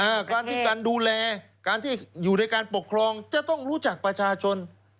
การที่การดูแลการที่อยู่ในการปกครองจะต้องรู้จักประชาชน